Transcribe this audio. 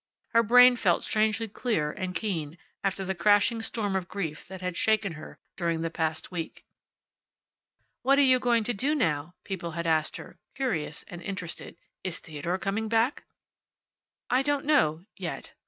Her brain felt strangely clear and keen after the crashing storm of grief that had shaken her during the past week. "What are you going to do now?" people had asked her, curious and interested. "Is Theodore coming back?" "I don't know yet."